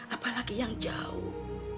apalagi yang jauh